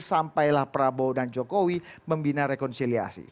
sampailah prabowo dan jokowi membina rekonsiliasi